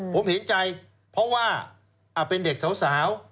ผมเห็นใจเพราะว่าเป็นเด็กสาว